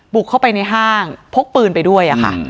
บุกเข้าไปในห้างพกปืนไปด้วยค่ะ